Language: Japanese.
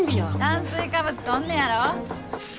炭水化物とんねやろ。